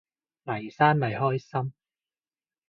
黎生咪開心